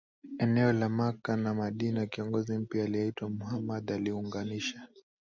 eneo la Maka na Madina Kiongozi mpya aliyeitwa Muhamad aliunganisha